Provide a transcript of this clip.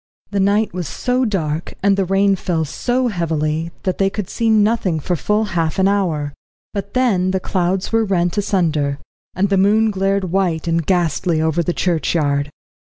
The night was so dark, and the rain fell so heavily, that they could see nothing for full half an hour. But then the clouds were rent asunder, and the moon glared white and ghastly over the churchyard.